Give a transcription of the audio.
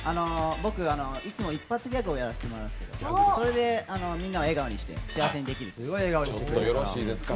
僕、いつも一発ギャグをやらせてもらうんですがみんなを笑顔にして幸せにできる。